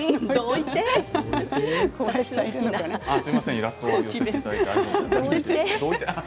イラストを寄せていただいてありがとうございます。